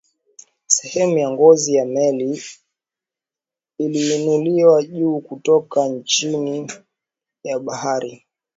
sehemu ya ngozi ya meli iliinuliwa juu kutoka chini ya bahari